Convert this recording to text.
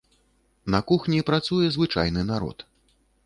На кухні працуе звычайны народ.